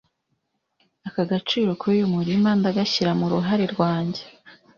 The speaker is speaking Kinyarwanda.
aka gaciro k’uyu murima ndagashyira mu ruhare rwanjye